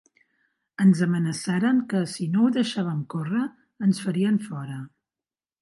Ens amenaçaren que, si no ho deixàvem córrer, ens farien fora.